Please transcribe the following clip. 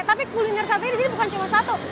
tapi kuliner sate di sini bukan cuma satu